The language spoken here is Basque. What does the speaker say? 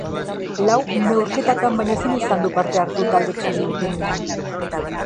Lau neurketatan baino ezin izan du parte hartu talde txuri-urdinean.